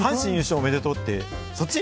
おめでとうって、そっち？